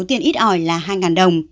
tiền ít ỏi là hai đồng